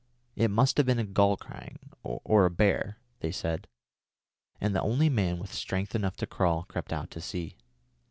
It must have been a gull crying, or a bear, they said, and the only man with strength enough to crawl crept out to see.